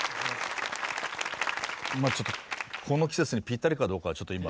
この季節にぴったりかどうかはちょっと今。